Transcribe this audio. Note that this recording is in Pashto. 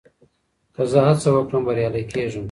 که زه هڅه وکړم، بريالی کېږم.